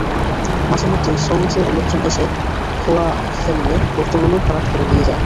মাঝেমধ্যে সওজের লোকজন এসে খোয়া ফেলে গর্তগুলো ভরাট করে দিয়ে যায়।